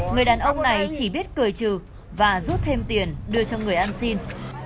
người đàn ông này chỉ biết cười trừ và rút thêm tiền đưa cho người ăn xin